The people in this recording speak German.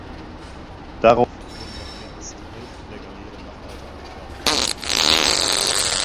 Darauf wurden noch mehr als die Hälfte der Galeeren nach alter Art fertiggestellt.